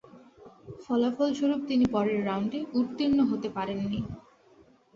ফলাফল সরূপ তিনি পরের রাউন্ডে উত্তীর্ণ হতে পারেননি।